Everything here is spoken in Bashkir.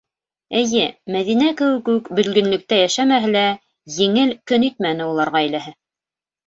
Эйе, Мәҙинә кеүек үк бөлгөнлөктә йәшәмәһә лә, еңел көн итмәне улар ғаиләһе.